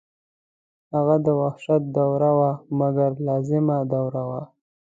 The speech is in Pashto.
هغه د وحشت دوره وه مګر لازمه دوره وه.